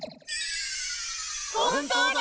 ほんとうだ！